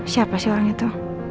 siapa sih orang itu